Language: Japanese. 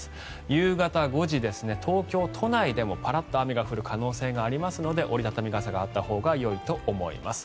夕方５時は東京都内でもパラッと雨が降る可能性がありますので折り畳み傘があったほうがよいと思います。